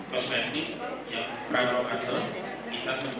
kosmetik yang kandungan kita temukan yang total di antar bandung raya